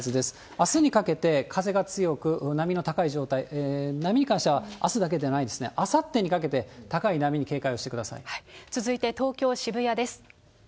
あすにかけて風が強く、波の高い状態、波に関しては、あすだけではないですね、あさってにかけて、高い続いて東京・渋谷です。